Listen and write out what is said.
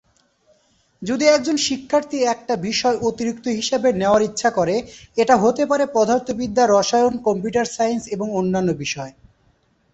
যদি একজন শিক্ষার্থী একটা বিষয় অতিরিক্ত হিসেবে নেওয়ার ইচ্ছা করে, এটা হতে পারে পদার্থবিদ্যা, রসায়ন, কম্পিউটার সায়েন্স এবং অন্যান্য বিষয়।